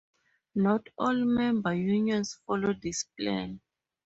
Not all Member Unions follow this plan.